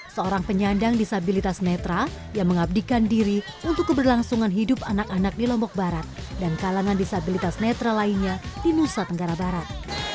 seorang penyandang disabilitas netra yang mengabdikan diri untuk keberlangsungan hidup anak anak di lombok barat dan kalangan disabilitas netra lainnya di nusa tenggara barat